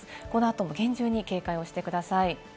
この後も厳重に警戒をしてください。